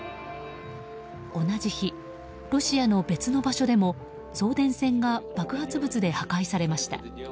同じ日、ロシアの別の場所でも送電線が爆発物で破壊されました。